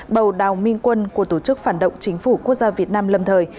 bầu đào minh quân của tổ chức phản động chính phủ quốc gia việt nam lâm thời